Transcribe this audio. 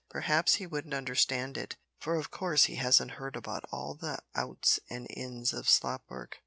Perhaps he wouldn't understand it, for of course he hasn't heard about all the outs and ins of slop work."